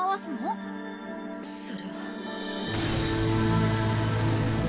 それは。